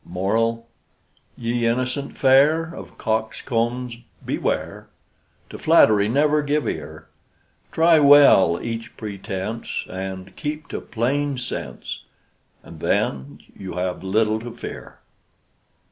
MORAL Ye innocent fair, Of coxcombs beware, To flattery never give ear; Try well each pretense, And keep to plain sense, And then you have little to fear.